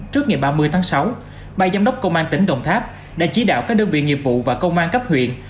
trước ngày ba mươi tháng sáu ba giám đốc công an tỉnh đồng tháp đã chỉ đạo các đơn vị nghiệp vụ và công an cấp huyện